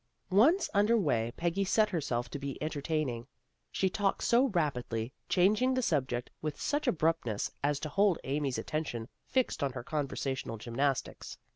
Once under way Peggy set herself to be en tertaining. She talked so rapidly, changing the subject with such abruptness as to hold AMY IS DISILLUSIONED 307 Amy's attention fixed on her conversational gymnastics.